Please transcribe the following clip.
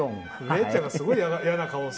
礼ちゃんがすごいいやな顔を。